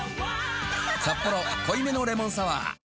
「サッポロ濃いめのレモンサワー」